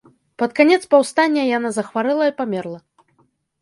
Пад канец паўстання яна захварэла і памерла.